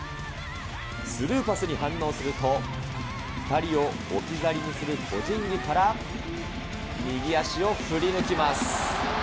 スルーパスに反応すると、２人を置き去りにする個人技から、右足を振り抜きます。